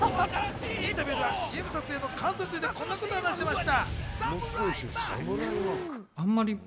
インタビューではＣＭ撮影の感想について、こんなことを話していました。